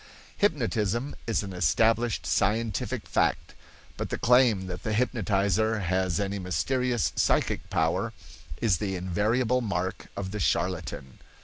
Hypnotism is an established scientific fact; but the claim that the hypnotizer has any mysterious psychic power is the invariable mark of the charlatan.